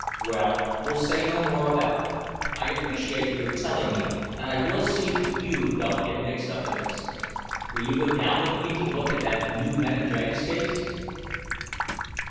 "Well, we'll say no more about it. I appreciate your telling me, and I will see that you don't get mixed up in this. Will you go down with me to look at that new meningitis case?"